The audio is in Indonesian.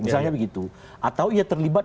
misalnya begitu atau ia terlibat